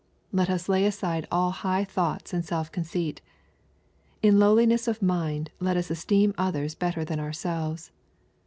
Let us lay aside all high thoughts and self conceit. In lowliness of mind^ let us esteem others better than ourselves.